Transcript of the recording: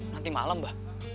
nanti malam ibu